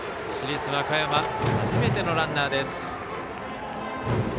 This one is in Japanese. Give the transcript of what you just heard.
市立和歌山、初めてのランナー。